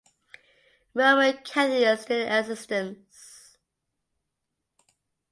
Roman Catholic is still in existence.